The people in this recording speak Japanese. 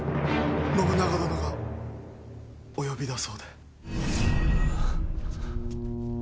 信長殿がお呼びだそうで。